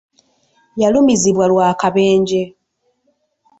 Yalumizibwa lw'akabenje.